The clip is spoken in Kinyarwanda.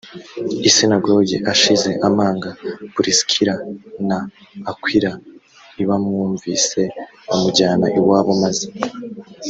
isinagogi ashize amanga purisikila na akwila i bamwumvise bamujyana iwabo maze